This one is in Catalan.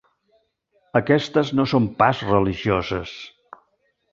Aquestes no són pas religioses.